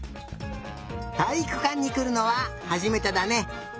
たいいくかんにくるのははじめてだね。